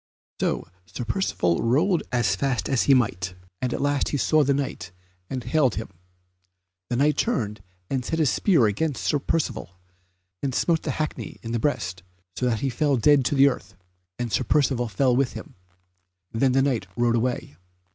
So Sir Percivale rode as fast as he might, and at last he saw that Knight, and he hailed him. The Knight turned and set his spear against Sir Percivale, and smote the hackney in the breast, so that he fell dead to the earth, and Sir Percivale fell with him; then the Knight rode away.